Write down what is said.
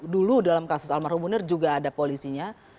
dulu dalam kasus almarhum munir juga ada polisinya